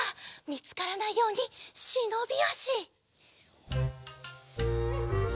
みつからないようにしのびあし。